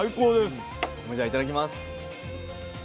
僕もじゃあいただきます。